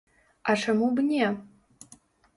А чаму б не?